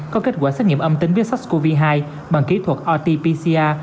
có kết quả xét nghiệm âm tính với sars cov hai bằng kỹ thuật rt pcr